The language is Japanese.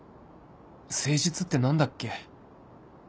誠実って何だっけ？